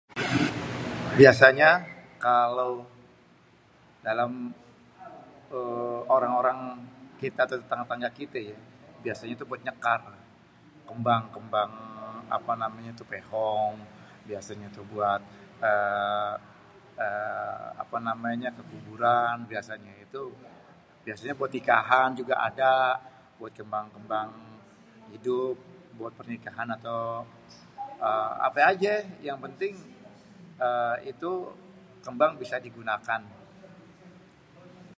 Biasanya, kalau, dalam ééé orang-orang kita tetangga-tetangga kitê yê, biasanya tuh buat nyékar. Kémbang-kémbang apa namanyé tuh pehong, tuh biasanya buat ééé apa namanyé tuh ke kuburan. Biasanyé itu buat nikahan juga ada. Buat kémbang-kémbang idup buat pernikahan, atau apé ajé yang penting itu kémbang bisa digunakan.